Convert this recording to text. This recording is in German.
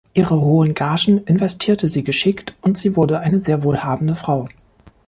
Ihre hohen Gagen investierte sie geschickt und sie wurde eine sehr wohlhabende Frau.